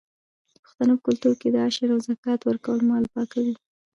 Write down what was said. د پښتنو په کلتور کې د عشر او زکات ورکول مال پاکوي.